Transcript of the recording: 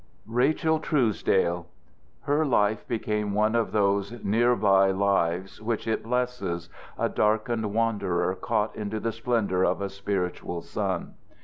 Rachel Truesdale! Her life became one of these near by lives which it blesses, a darkened wanderer caught into the splendor of a spiritual sun.